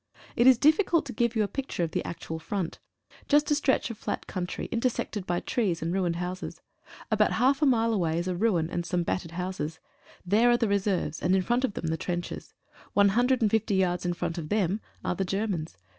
It is difficult to give you a picture of the actual front. Just a stretch of flat country, inter sected by trees and ruined bouses. About half a mile away is a ruin and some battered houses — there are the reserves, and in front of them the trenches. One hundred and fifty yards in front of them are the Germans.